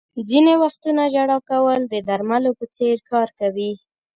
• ځینې وختونه ژړا کول د درملو په څېر کار کوي.